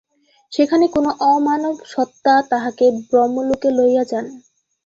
সেখানে কোন অমানব সত্তা তাহাকে ব্রহ্মলোকে লইয়া যান।